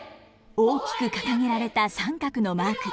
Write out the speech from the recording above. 大きく掲げられた三角のマーク。